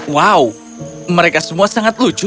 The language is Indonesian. wow mereka semua sangat lucu